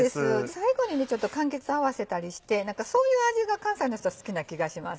最後にちょっとかんきつ合わせたりしてそういう味が関西の人は好きな気がします。